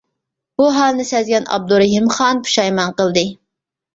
بۇ ھالنى سەزگەن ئابدۇرېھىم خان پۇشايمان قىلدى.